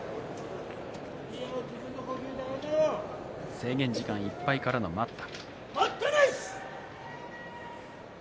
制限時間いっぱいからの待った。